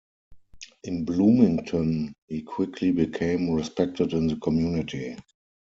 In Bloomington he quickly became respected in the community.